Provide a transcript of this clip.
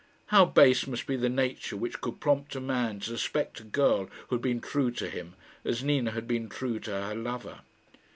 How base must be the nature which could prompt a man to suspect a girl who had been true to him as Nina had been true to her lover!